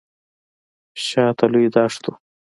شاته لوی دښت و.